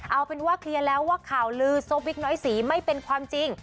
เอาเป็นว่าเคลียร์แล้วว่าข่าวลือโซวิกน้อยสีไม่เป็นความจริง